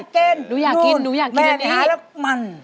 แคล็ดเกนแม่หาแล้วมัน